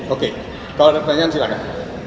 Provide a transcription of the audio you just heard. oke kalau ada pertanyaan silahkan